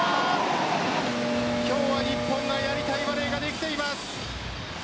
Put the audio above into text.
今日は日本がやりたいバレーができています。